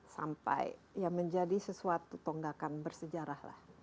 sampai menjadi sesuatu tonggakan bersejarah